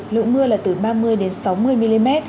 lượng mưa là từ ba mươi đến sáu mươi mm